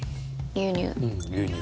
牛乳。